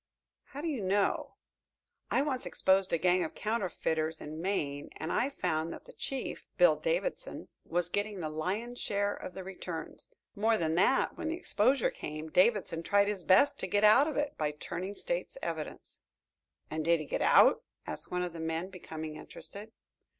"How do you know? I once exposed a gang of counterfeiters in Maine and I found that the chief, Bill Davidson, was getting the lion share of the returns. More than that, when the exposure came, Davidson tried his best to get out of it by turning State's evidence." "And did he get out?" asked one of the men, becoming interested.